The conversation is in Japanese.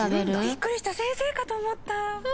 ビックリした先生かと思った。